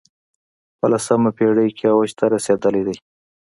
په لسمه پېړۍ کې اوج ته رسېدلی دی